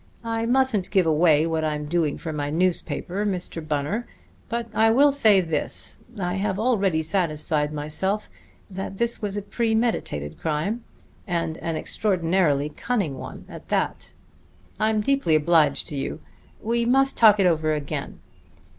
I mustn't give away what I'm doing for my newspaper, Mr. Bunner, but I will say this: I have already satisfied myself that this was a premeditated crime, and an extraordinarily cunning one at that. I'm deeply obliged to you. We must talk it over again."